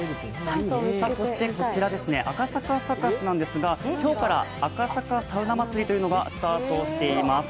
そしてこちら、赤坂サカスなんですが今日から赤坂サウナ祭りというのがスタートしています。